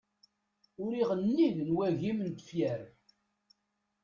Uriɣ nnig n wagim n tefyar.